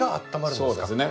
そうですね。